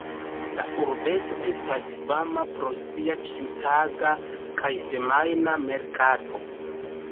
La urbeto estas fama pro sia ĉiutaga kaj semajna merkato.